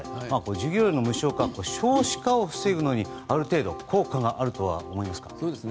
授業料の無償化は少子化を防ぐのにある程度効果があると思いますか。